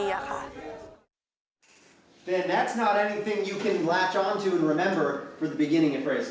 ฟินนั่นไม่ใช่สิ่งที่คุณพูดถึงและที่คุณจำเป็นในภาษา๒ใช่ไหม